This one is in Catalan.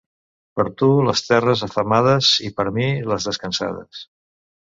Per tu les terres afemades i per mi les descansades.